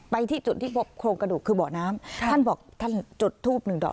ที่จุดที่พบโครงกระดูกคือเบาะน้ำท่านบอกท่านจุดทูบหนึ่งดอก